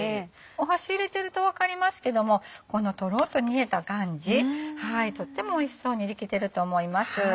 箸入れてると分かりますけどもこのトロっと煮えた感じとってもおいしそうにできてると思います。